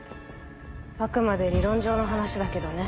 あくまで理論上の話だけどね。